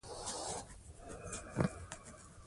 لوستې میندې د ماشوم لپاره پاک کور غواړي.